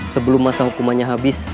sebelum masa hukumannya habis